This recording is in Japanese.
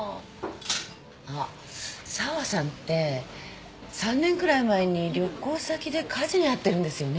あっ沢さんて３年くらい前に旅行先で火事に遭ってるんですよね。